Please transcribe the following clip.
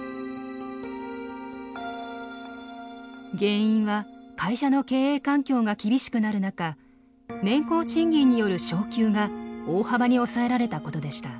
原因は会社の経営環境が厳しくなる中年功賃金による昇給が大幅に抑えられたことでした。